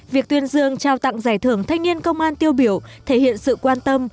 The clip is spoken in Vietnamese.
việc tuyên dương trao tặng giải thưởng thanh niên công an tiêu biểu thể hiện sự quan tâm